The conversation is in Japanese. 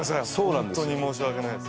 本当に申し訳ないです。